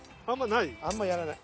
あんまやらない。